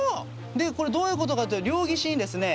これどういうことかというと両岸にですね